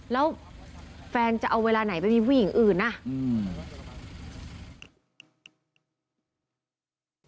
แล้วแฟนจะเอาเวลาไหนไปมีผู้หญิงอื่นน่ะอืม